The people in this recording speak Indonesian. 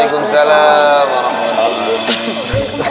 ya allah salamualaikum wa rahmatullah